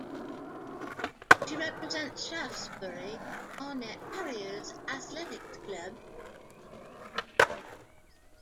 She represents Shaftesbury Barnet Harriers athletics club.